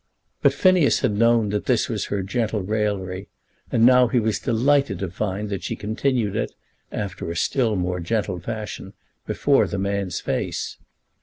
But Phineas had known that this was her gentle raillery, and now he was delighted to find that she continued it, after a still more gentle fashion, before the man's face.